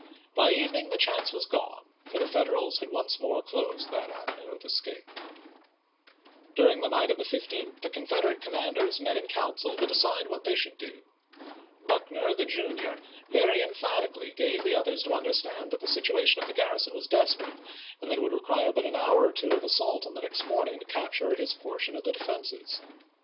By evening the chance was gone, for the Federals had once more closed that avenue of escape. 198 ABRAHAM LINCOLN CH.u». XI. During the night of the 15th, the Confederate Feb., 18C2. commanders met in council to decide what they should do. Buckner, the junior, very emphatically gave the others to understand that the situation of the garrison was desperate, and that it would re quire but an hour or two of assault on the next morning to capture his portion of the defenses.